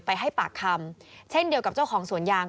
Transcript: ให้ปากคำเช่นเดียวกับเจ้าของสวนยาง